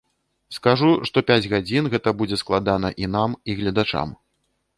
Скажу, што пяць гадзін гэта будзе складана і нам, і гледачам.